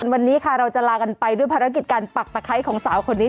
วันนี้ค่ะเราจะลากันไปด้วยภารกิจการปักตะไคร้ของสาวคนนี้